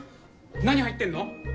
何入ってるの？